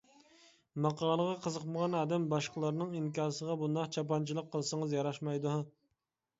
ماقالىغا قىزىقمىغان ئادەم باشقىلارنىڭ ئىنكاسىغا بۇنداق چاپانچىلىق قىلسىڭىز ياراشمايدۇ.